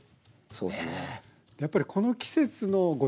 そうですね。